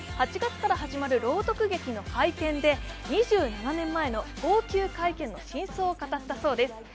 ８月から始まる朗読劇の会見で、２７年前の号泣会見の真相を語ったそうです。